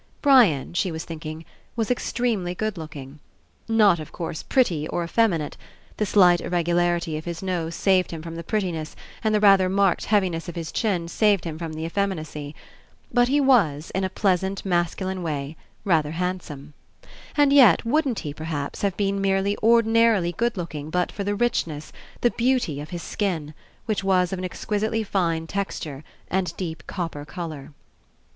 Brian, she was thinking, was extremely good looking. Not, of course, pretty or effemi nate; the slight irregularity of his nose saved him from the prettiness, and the rather marked heaviness of his chin saved him from the ef feminacy. But he was, in a pleasant masculine way, rather handsome. And yet, wouldn't he, perhaps, have been merely ordinarily good looking but for the richness, the beauty of his skin, which was of an exquisitely fine texture and deep copper colour.